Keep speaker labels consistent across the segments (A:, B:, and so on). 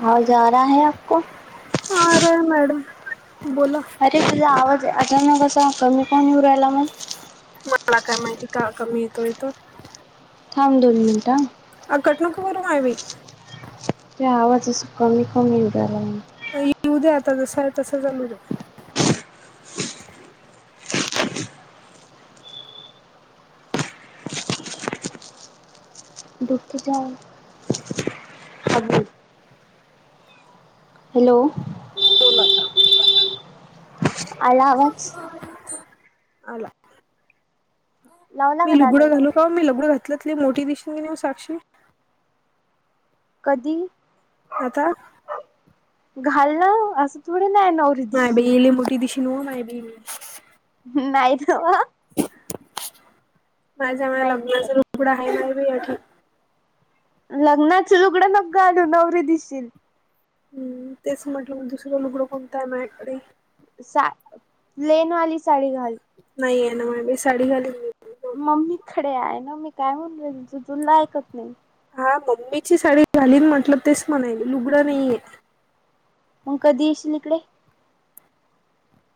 A: आवाज आ रहा है, आपको?
B: आ रहा है मॅडम, बोला.
A: अरे तुझा आवाज अचानक असा कमी काऊण येऊ राहीला मग?
B: मला काय माहिती? का कमी येतोय तो?
A: थांब दोन मिनटं, आ.
B: अ कट नको करू, माया बाई.
A: ते आवाज, असा कमी कमी येवू राहीलाय मग.
B: येऊ दे आता, जसं आहे तसं चालू दे.
A: डुबते जाऊ. [unintelligible] हॅलो.
B: बोल आता
A: आला आवाज
B: आला.
A: लावला
B: मी
A: का
B: लुगडं
A: दादा
B: घालू
A: फोन
B: का मी लुगडं घातल तरी मोठी दिशीन साक्षी.
A: कधी?
B: आता.
A: घालव असं थोडी नाय नव
B: नाय बाई लय मोठी दिशिन ओ नाय बाई मी.
A: नाय तवा
B: माझ्या जवळ
A: नाही
B: लग्नाचं
A: दिसत
B: लुगड हाय नाय बाय अजून.
A: लग्नाच लुगडं नको घालू नवरी दिसशील.
B: हम्, तेच म्हटलं मग दुसरं लुगडं कोणताय मायाकडे
A: सा प्लेन वाली साडी घाल.
B: नाही ए ना मायाकडे साडी घालीन मी.
A: मम्मीकडे आहे ना मी काय म्हणू राहिली त तुला ऐकत नाय.
B: हा मम्मीची साडी घालीन म्हटलं तेच म्हणायले लुगडं नाहीये.
A: मग कधी येशील इकडे?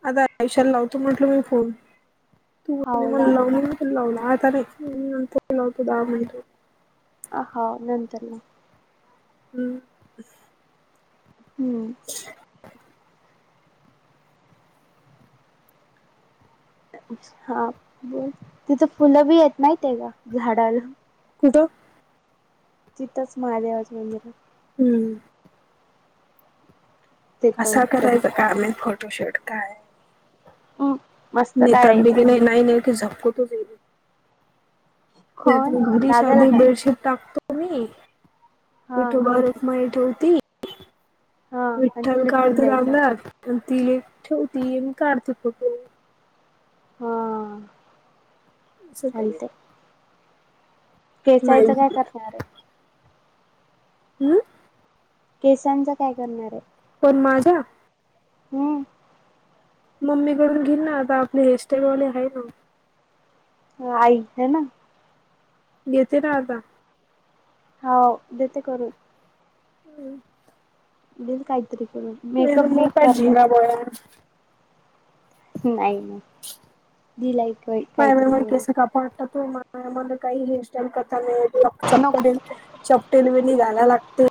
B: आता आयुष्याला लावतो म्हटल मी फोन तू बोलली
A: हाव लाव
B: म्हणून लावली नाय. लावला तरी नंतर लावतो दहा मिनिटान.
A: आ -हा नंतर न.
B: हम्.
A: हम्म.
B: [inaudible]
A: हा बोल तिथं फुलं बी येत माहिताय का झाडाला?
B: कुठं?
A: तिथंच महादेवाचं मंदिरात.
B: हम्म.
A: ते
B: आसा
A: कोणतरी
B: करायचा का आम्ही फोटोशूट काय?
A: [unintelligible]
B: नीता आंबी
A: काढायचा
B: बी नाय नाय ती [inaudible]
A: कोण
B: घरी
A: दादाला
B: साधी
A: काय
B: बेडशीट टाकतो मी.
A: हा
B: विठुबा रखुमाई ठेवती
A: हा आणि
B: विठ्ठल
A: ते
B: कावा
A: लटवून
B: तरी
A: द्यायचं
B: लावणार. अन् ती ठेवती न काढती फोटो.
A: हा.
B: स करू. नाही
A: केचायच काय
B: हम्म?
A: करणार आय?
B: हम्म?
A: केसांच काय करणाराय?
B: पण माझ्या?
A: हम्.
B: मम्मी कडून घीन ना आता आपले हेरस्टाईल वाले हाय ना.
A: हो आई त्या ना?
B: घेतेत आता.
A: हाव देते करून.
B: हम्.
A: देना काहीतरी करून, मेकअप बी
B: मोठा
A: करत्या.
B: [inaudible]
A: नाही नाही दिलायक व्हय
B: माय माय केस कापाटत वं माय, मले काही हेअरस्टाईल करता नही येत. लकछ
A: नको
B: पडेल चपटेल वेणी घालाया लागते,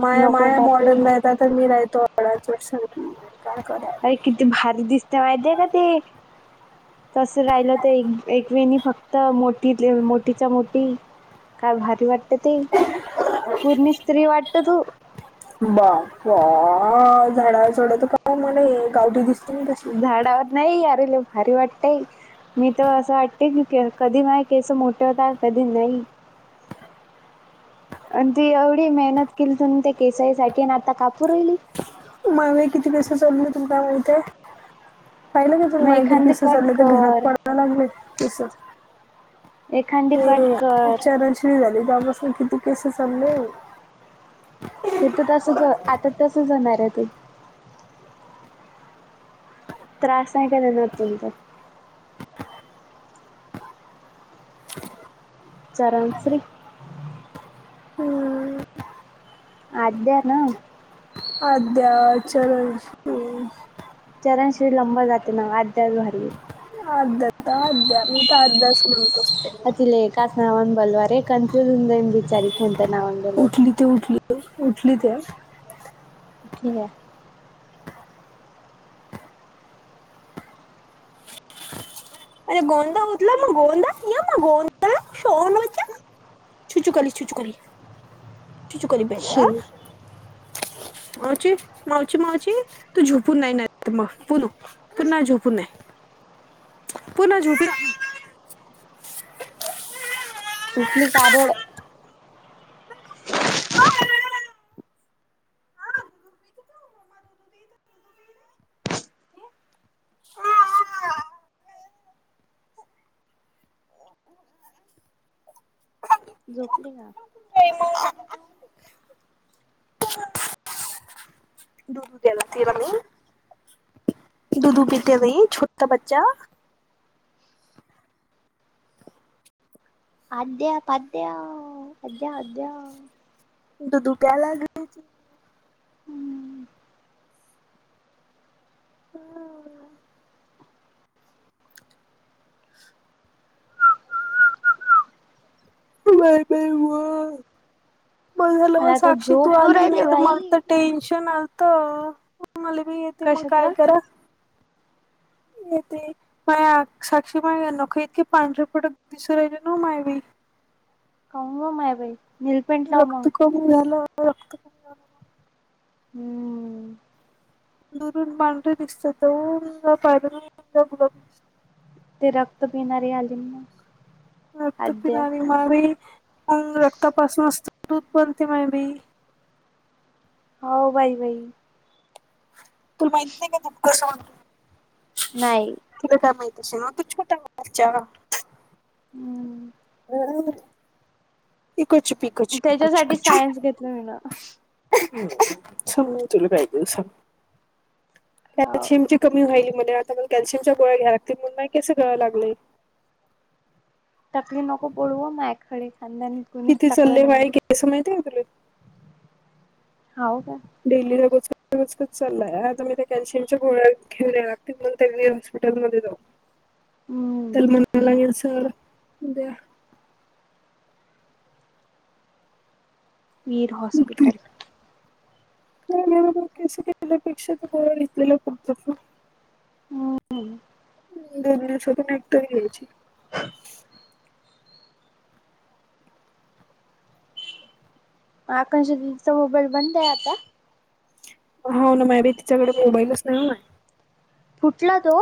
B: माया
A: नको
B: माया
A: का ते
B: मॉडर्न राहतात तर मी नाही तो अडाणचोट [unintelligible] करा.
A: अरे किती भारी दिसते माहितीे का ते. तसं राहिलं तर, एक एकवेणी फक्त मोठीतल्या मोठीच्या मोठी काय भारी वाटतं ते, पूर्णि स्त्री वाटतं तू.
B: बाप्पा झाडावर चढवतो का मले हे गावठी दिस
A: झाडावर नही अरे लई भारी वाटतंय. मी तं असं वाटते की, कधी माहे केस मोठे होतात कधी नही. आणि ती एवढी मेहनत केली तुणी त्या केसाईसाठी आणि आता कापू राहिली?
B: मागे किती पैसे जमले तुला काय माहिते? पाहिलं का तुनं
A: मग
B: माहे
A: एखादी
B: केस
A: कट
B: चालले तर, घरात
A: कर
B: पडायला लागलेत केसं.
A: एखादी
B: ते
A: कट कर
B: एक चरणश्री झाली, तेव्हापासून किती केस चालले.
A: ते तं तसंच आता तसंच व्हणारे ते. त्रास आहे का देणार तुमचा?
B: [inaudible]
A: चारणश्री?
B: हम्म
A: आद्या ना?
B: आद्या, चरणश्री
A: चरणश्री लंबा जाते ना वं, आद्याच भारीये.
B: आद्या तं आद्या. तर आद्याच म्हणत असतो
A: अ तिले एकाच नावाने बोलवा रे, कन्फ्युज होऊन जाईन बिचारी कोणत्या नावाने बोलवता.
B: ती उठली, उठली त्याज
A: उठली का?
B: अरे गोंदा उथला मं गोंदा, यमा गोंदा शोनूचा. छुछू कली, छुछू कली, छुछू कली बेनद्या.
A: आहे
B: आछी मावछी मावछी तू झुपून नाही ना तं पुनं पुन्हा झोपूनये, पुन्हा झोपी
A: कुठली का रड
B: [unintelligible] [inaudible]
A: झोपली का?
B: [unintelligible] दुधू द्याला तिला मी दुदु
A: हम्म
B: पीते बई छोटा बच्चा.
A: आद्या फाद्या, आद्या आद्या.
B: दुदु प्यायला लागलं
A: हम्म
B: [inaudible] [inaudible] बाय... बाई... मघ झालं.
A: मला आता
B: साक्षी तू
A: झोप येऊ
B: आली. नाही तर, मग
A: राहिली
B: तर... टेन्शन आलत. मला बी येते मग
A: कशाच
B: काय करा. य ते पाय साक्षी मा नक, इतके पांढरेपटक दिसू राहिले ना मायवी.
A: हंग... माय बाई. नीलपेंट लाव
B: रक्त
A: मग
B: कमी झालं. रक्त क [inaudible]
A: हम्म....
B: दुरून मांढरी दिसत. पा दित
A: ते रक्त पिणारी [inaudible] आलीिम
B: रक्त पिणारवी माझग रक्तापासूनचते दूध बनते [inaudible] मा बी
A: हो... बाई... बाई
B: तुला माहित नाही. काप
A: नाही...
B: तुला काय माहिश ना. तू छोटाच्या...
A: हम....
B: ह... कक चुपी
A: त्याच्यासाठी सायन्स घेतलं मी ना.
B: स [inaudible] [unintelligible] म चुला पाहिजे स
A: हो
B: कॅल्शियमची कमी व्हायली म. आता मला कॅल्शियमच्या गोळ्या घ्याय लातील, म्हणून नाही कसं कळां लागलंय.
A: तकली नको पोडव [inaudible] मा खडे खांदा्या
B: किती चालले, बाय क असं माहिती आहे. का तुला
A: हो.. हो.. का
B: डेली, रगचगचकच चाललाय. आता मी त्या कॅल्शियमच्या गोळ्या ठेवले लागतील मग, त्यांनी हॉस्पिटलमध्येध्ये जाऊ
A: हम्म.
B: तरल म्हनायलागेल सर. उद्या
A: मीर हॉस्पिटल.
B: म केस केल्यापेक्षाथ [inaudible] इेतलेला फत
A: हम्....
B: दोन्यास पून एकट [inaudible] [inaudible] [inaudible] घ्यायची
A: आकषच होबळ [inaudible] [inaudible] बंद आहे आता
B: हो, ना माी तिच्याकडे मोबाईलच नाही. हो
A: फुटला तो.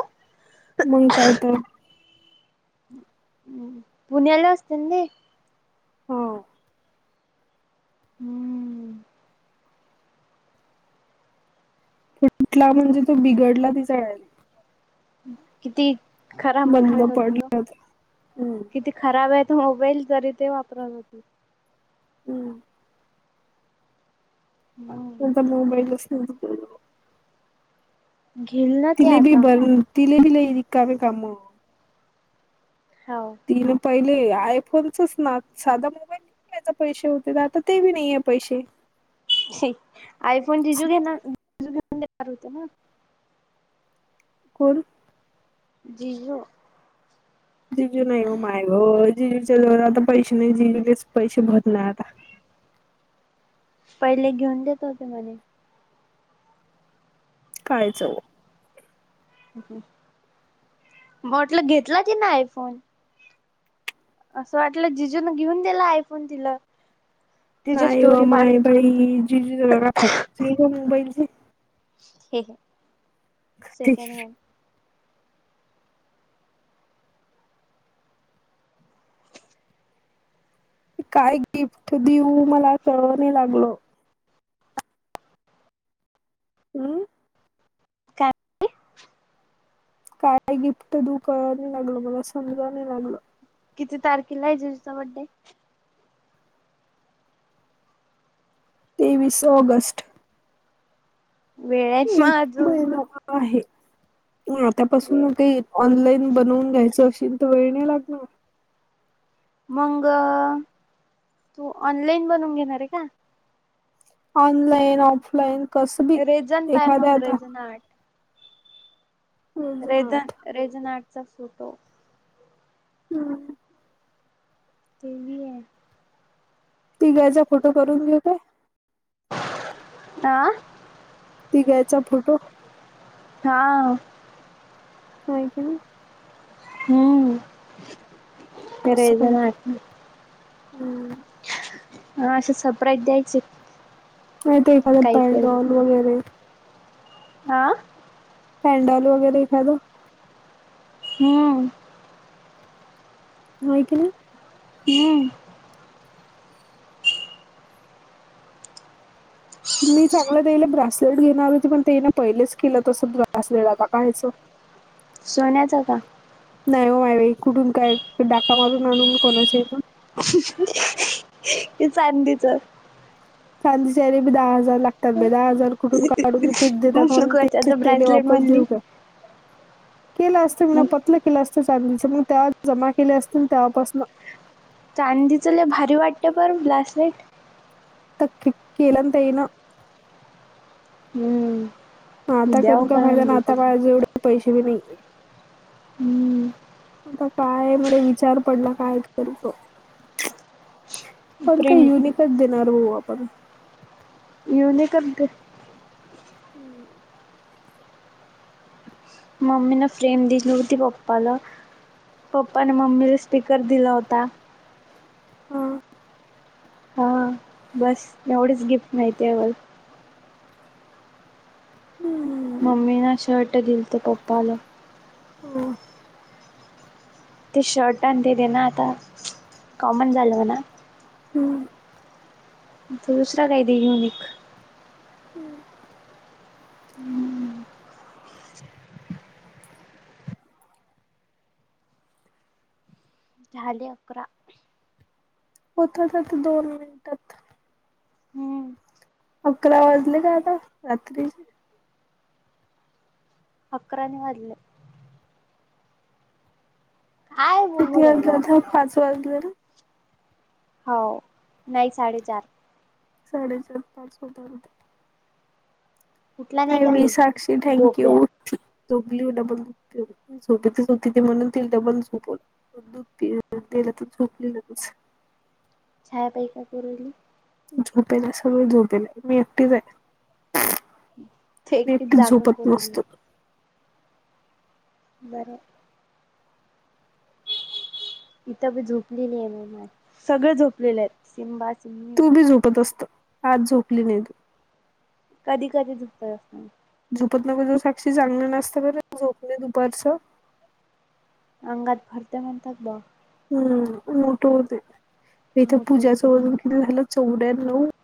B: मग काय तर..
A: ह [inaudible] [inaudible] [inaudible] पुण्याियाला वतं
B: हो....
A: हम्म....
B: कला म् [inaudible] हणजे तो बिघडला ती [inaudible] चळाला
A: किती खराब
B: बंद
A: मोबाईल होतो. तो
B: पडला हम्म
A: किती खराब आहे. तर मोबाईल तरी, ते वापरत होती.
B: हम्...
A: ह....
B: मुंबईलाच [inaudible] [inaudible]
A: घेल ना [inaudible]
B: तलेपी बर [unintelligible] काम
A: हो....
B: तीन पहिले, आयफोनचच ना साधा मोबाईल याचे पैसे होते, आता ते बी नाहीय पैशे.
A: आयफोन जिजू घेणार, जिजू घेऊ देणार होते ना.
B: कोण?
A: जिजु.
B: जिजू नाही हो माय ग, जीजूच्या जवळ आता पैसे नाही, जीजु तेच पैसे भरत नाही आता.
A: पहिले घेऊन देत होते म्हणे.
B: कायचव.
A: म्हटलं घेतला कि नाय आयफोन? असं वाटलं जिजू न घेऊन दिला आयफोन तिला? तिची
B: नाही व
A: स्टोरी पाहत
B: माय
A: होती मी
B: बाई,
A: तर.
B: जिजु ची फॅक्टरी हाय काय मोबाईलची.
A: हे घ्या, सेकड हॅन्ड.
B: काय गिफ्ट देऊ, मला कळव नाही लागल. हम्.
A: [unintelligible]
B: काय गिफ्ट देऊ कळल नाही लागलं, मला समजा नाही लागलं.
A: किती तारखेला आहे जिजुचा बड्डे?
B: तेवीस ऑगस्ट.
A: वेळ आहे
B: एक
A: मग अजून
B: महिनाभर आहे,
A: वेळ
B: आतापासून ते. ऑनलाईन बनवून घ्यायचं अशील तर वेळ नाही लागणार?
A: मग, तू ऑनलाइन बनवून घेणार आहे का?
B: ऑनलाईन, ऑफलाईन कसं बी.
A: रेझन पाय
B: एखाद्या
A: मग
B: आता
A: रेझन आर्ट. रेजन,
B: गुजरात
A: रेजनआर्टचा फोटो.
B: हम्.
A: ते बी हाय.
B: तीग्याचा फोटो करून घेवू काय?
A: आ.
B: तिग्याचा फोटो.
A: हा.
B: काय पण.
A: हम्म, खरे
B: कसं
A: एक
B: काही
A: जण आरती.
B: हम्म.
A: हा असं सरप्राईज द्यायचे.
B: नाही ते एखाद पायजोल वगैरे.
A: आं.
B: सॅंडल वगैरे एखाद.
A: हम्म.
B: हाय कणी.
A: हम.
B: मी चांगलं त्याला ब्रासलेट घेणार होती, पण तेने पहिलेच केलं तसं ब्रासलेट आता कायचं. [unintelligible]
A: सोन्याचं का?
B: नाही हो माई, कुठून काय डाका मारून आणून कोणाच इथून.
A: कि चांदीच?
B: चांदीच याले बी दहा हजार लागत. तबे दहा हजार कुठून काढून, तेच
A: मग
B: देतात म्हूणन
A: नको
B: त्याचेच
A: त्याचं
B: तेले
A: ब्रेसलेट
B: वापस
A: म्हणली
B: देऊ का? केलं असत मी
A: मग
B: पतलं केलं असत चांदीच, मग तेव्हा जमा केले असतील तेवापसन.
A: चांदीच लय भारी वाटते बरं ब्रासलेट.
B: [unintelligible]
A: हम्म
B: ह आता
A: द्याव
B: करून का फायदा नाही
A: म्हणली ती
B: आता [unintelligible] जेवढे पैसे बी नाहीत
A: हम्म
B: आता काय मले विचार पडला काय [unintelligible] त पण काही
A: प्रिंट
B: युनिकच देणार हो आपण.
A: युनिकच दे.
B: हम्
A: मम्मी न फ्रेम दिली होती पप्पाला पप्पा नं मम्मीला स्पीकर दिला होता.
B: हा
A: हा बस एवढेच गिफ्ट माहितीय मला.
B: हम्म
A: मम्मी न शर्ट दिलंत पप्पाल.
B: हम
A: ते शर्ट आणि ते दे ना आता कॉमन झाल ना.
B: हम्म
A: तू दुसरा काही [unintelligible]
B: हम्म
A: झाले अकरा.
B: [unintelligible] दोन मिनटात
A: हम्म
B: अकरा वाजले काय आता रात्रीच.
A: अकरा नाही वाजले. काय
B: किती
A: बोलू राहिलो
B: वाजल्या तर
A: आपण
B: पाच वाजले ना?
A: होव नाही साडेचार.
B: साडेचार, पाच होत आलेत.
A: कुठला
B: नाही
A: का
B: मी
A: ते
B: साक्षी थँंक्यू.
A: गोप्या
B: [unintelligible] झोपेतच होती ती म्हणून [unintelligible] [unintelligible] ती झोपली लगेच
A: छाया [unintelligible]
B: झोपेला सगळं झोपेलय मी एकटीच आहे.
A: ते
B: मी एकटीच
A: जागरण
B: झोपत
A: करू राहिली
B: नसतो.
A: बरंय इथं बी झोपलेली आहे मी मा सगळें झोपलेले आहेत सिमबा सिम्
B: तू बी झोपत असत आज झोपली नाही तू.
A: कधी कधी [unintelligible]
B: झोपत नको जाऊ साक्षी चांगलं नसतं बर झोपणे दुपारचं.
A: अंगात भरते म्हणतात [unintelligible]
B: हम् मोठ होते इथे
A: मोठं
B: पूजा च
A: होते
B: वजन किती झालं [unintelligible]